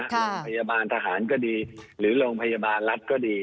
โรงพยาบาลทหารก็ดีหรือโรงพยาบาลรัฐก็ดี